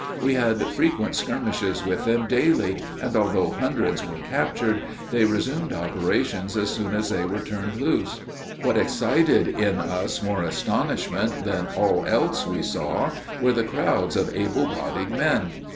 We had frequent skirmishes with them daily, and although hundreds were captured, they resumed operations as soon as they were turned loose. What excited in us more astonishment than all else we saw were the crowds of able bodied men.